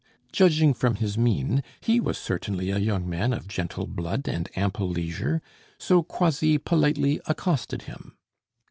Judging from his mien, he was certainly a young man of gentle blood and ample leisure, so Croisilles politely accosted him.